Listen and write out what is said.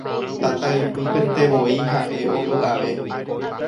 Tataypypentevoi ha'e ovy'ave.